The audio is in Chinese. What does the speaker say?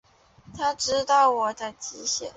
他知道我的极限